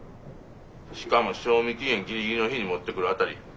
しかも賞味期限ギリギリの日に持ってくる辺りさすがやわ。